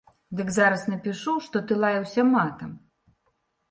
Дык зараз напішу, што ты лаяўся матам.